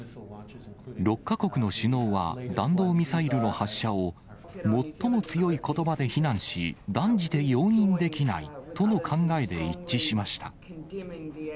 ６か国の首脳は、弾道ミサイルの発射を、最も強いことばで非難し、断じて容認できないとの考えで一致しました。